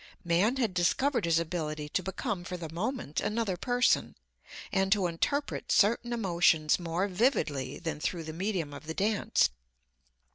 Man had discovered his ability to become for the moment another person, and to interpret certain emotions more vividly than through the medium of the dance.